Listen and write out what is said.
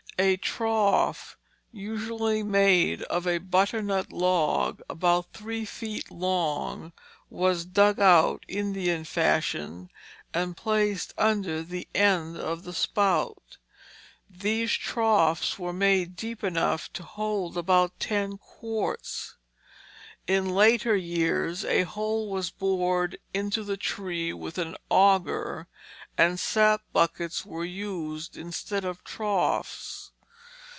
A trough, usually made of a butternut log about three feet long, was dug out, Indian fashion, and placed under the end of the spout. These troughs were made deep enough to hold about ten quarts. In later years a hole was bored in the tree with an augur; and sap buckets were used instead of troughs.